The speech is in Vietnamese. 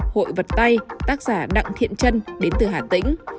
hội vật tay tác giả đặng thiện trân đến từ hà tĩnh